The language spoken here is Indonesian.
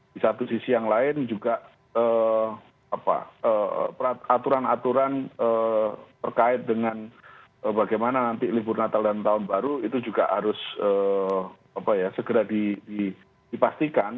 di satu sisi yang lain juga aturan aturan terkait dengan bagaimana nanti libur natal dan tahun baru itu juga harus segera dipastikan